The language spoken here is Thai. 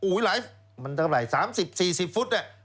อุ๊ยมันจะเงินไหร่๓๐๔๐ฟุตนี่